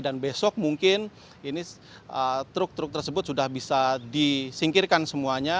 dan besok mungkin truk truk tersebut sudah bisa disingkirkan semuanya